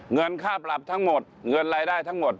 เงินค่าปรับทั้งหมดเงินรายได้ทั้งหมด